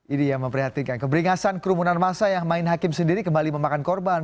ini yang memperhatikan keberingasan kru munarmasa yang main hakim sendiri kembali memakan korban